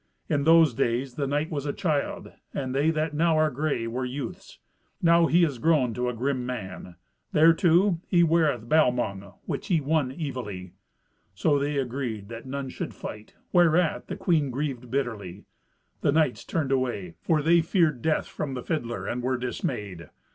In those days the knight was a child, and they that now are grey were youths. Now he is grown to a grim man. Thereto, he weareth Balmung, which he won evilly." So they agreed that none should fight, whereat the queen grieved bitterly. The knights turned away, for they feared death from the fiddler, and were dismayed.